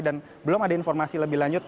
dan belum ada informasi lebih lanjut